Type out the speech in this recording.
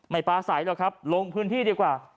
ปลาใสหรอกครับลงพื้นที่ดีกว่า